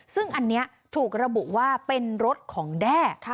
ซึ่งอันนี้ถูกระบุว่าเป็นรถของแด้